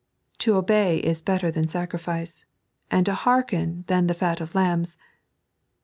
To obey is better than sacrifice, and to hearken than the fat of lambs.